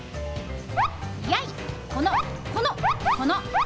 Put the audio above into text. やい、この、この、この！